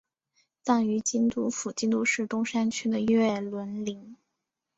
葬于京都府京都市东山区的月轮陵。